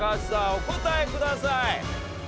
お答えください。